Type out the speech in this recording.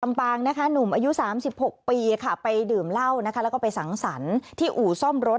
ปางนะคะหนุ่มอายุ๓๖ปีค่ะไปดื่มเหล้านะคะแล้วก็ไปสังสรรค์ที่อู่ซ่อมรถ